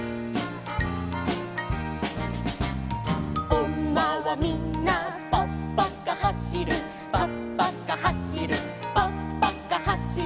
「おんまはみんなぱっぱかはしる」「ぱっぱかはしるぱっぱかはしる」